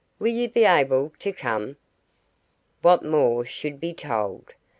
Will you be able to come?" What more should be told?